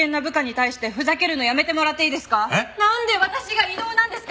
なんで私が異動なんですか！